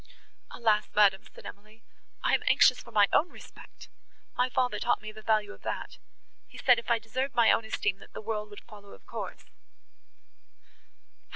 "Alas, madam!" said Emily, "I am anxious for my own respect; my father taught me the value of that; he said if I deserved my own esteem, that the world would follow of course."